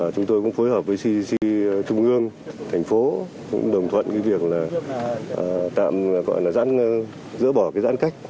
chúng tôi cũng phối hợp với cdc trung ương thành phố đồng thuận việc giỡn bỏ giãn cách